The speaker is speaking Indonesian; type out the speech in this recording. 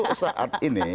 untuk saat ini